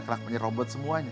kelakunya robot semuanya